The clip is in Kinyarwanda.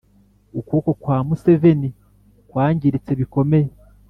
ukuboko kwa museveni kwangiritse bikomeye.